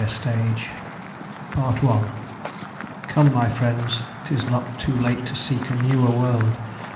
CHAPTER IX THE POLAR JOURNEY Come, my friends, 'Tis not too late to seek a newer world.